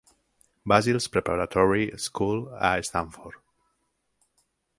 Basil's Preparatory School a Stamford.